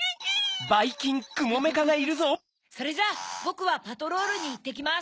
フフフ。それじゃあボクはパトロールにいってきます。